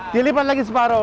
dilipat lagi separuh